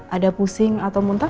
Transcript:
ada pusing atau muntah